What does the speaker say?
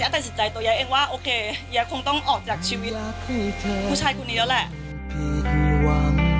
แท่สิทธิ์ใจตัวแยะเองว่าโอเคแยะคงต้องออกจากชีวิตผู้ชายคนนี้แล้วแหละ